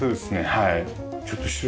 はい。